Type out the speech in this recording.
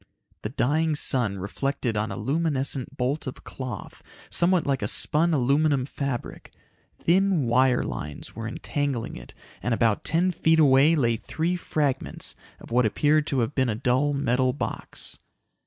The dying sun reflected on a luminescent bolt of cloth, somewhat like a spun aluminum fabric. Thin wire lines were entangling it, and about ten feet away lay three fragments of what appeared to have been a dull metal box.